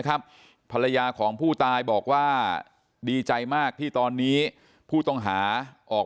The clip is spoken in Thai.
ภรรยาของผู้ตายบอกว่าดีใจมากที่ตอนนี้ผู้ต้องหาออก